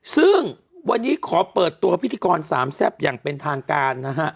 ซึ่งวันนี้ขอเปิดตัวพิธีกรสามแซ่บอย่างเป็นทางการนะฮะ